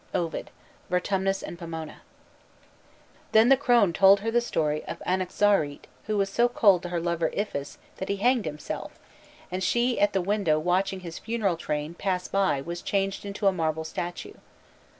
OVID: Vertumnus and Pomona. Then the crone told her the story of Anaxarete who was so cold to her lover Iphis that he hanged himself, and she at the window watching his funeral train pass by was changed to a marble statue.